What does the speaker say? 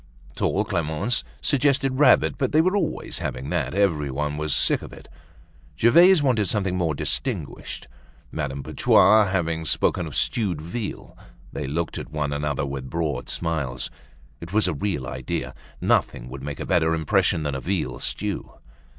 Tall Clemence suggested rabbit, but they were always having that, everyone was sick of it. Gervaise wanted something more distinguished. Madame Putois having spoken of stewed veal, they looked at one another with broad smiles. It was a real idea, nothing would make a better impression than a veal stew.